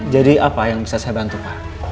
jadi apa yang bisa saya bantu pak